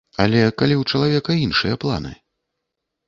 Але калі ў чалавека іншыя планы?